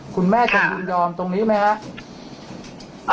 คุณแม่ควรยอมตรงนี้ไหมฮะ